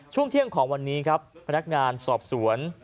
ช่วงเที่ยงของวันนี้ครับพนักงานสอบสวน